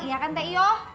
iya kan teh iyo